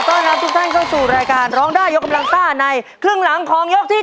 ต้อนรับทุกท่านเข้าสู่รายการร้องได้ยกกำลังซ่าในครึ่งหลังของยกที่๓